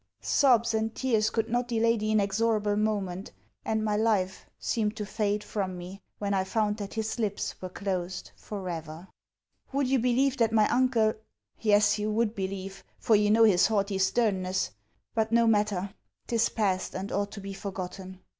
Sobs and tears could not delay the inexorable moment; and my life seemed to fade from me, when I found that his lips were closed for ever. Would you believe that my uncle Yes, you would believe, for you know his haughty sternness, but no matter, 'tis past, and ought to be forgotten.